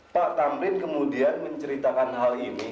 pak tamrin kemudian menceritakan hal ini